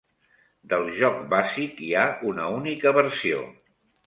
Del joc bàsic hi ha una única versió.